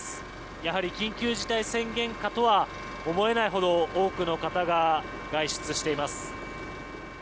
やはり緊急事態宣言下とは思えないほど多くの方が外出しています。